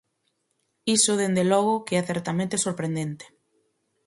Iso dende logo que é certamente sorprendente.